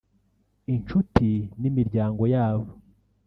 inshuti n’imiryango yabo